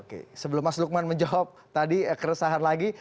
oke sebelum mas lukman menjawab tadi keresahan lagi